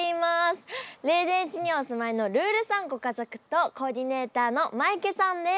レーデン市にお住まいのルールさんご家族とコーディネーターのマイケさんです。